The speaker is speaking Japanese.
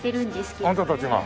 あなたたちが？